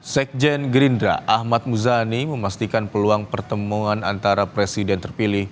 sekjen gerindra ahmad muzani memastikan peluang pertemuan antara presiden terpilih